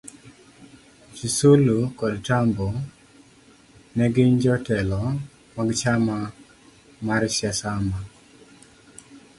SisulukodTambo ne ginjotelo magchama marsiasama